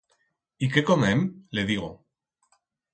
Y qué comem?, le digo.